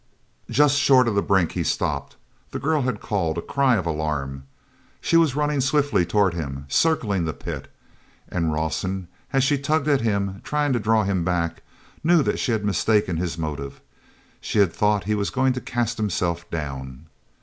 Just short of the brink he stopped. The girl had called—a cry of alarm. She was running swiftly toward him, circling the pit. And Rawson, as she tugged at him, trying to draw him back, knew that she had mistaken his motive. She had thought he was going to cast himself down.